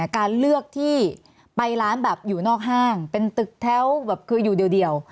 การเลือกที่ไปร้านแบบอยู่นอกห้างเป็นตึกแถวแบบคืออยู่เดียว